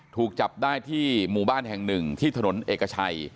ถูกจับได้ที่หมู่บ้านแห่งหนึ่งที่ถนนเอกชัย